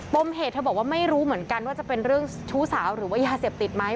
มเหตุเธอบอกว่าไม่รู้เหมือนกันว่าจะเป็นเรื่องชู้สาวหรือว่ายาเสพติดไหม